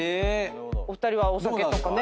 お二人はお酒とかね。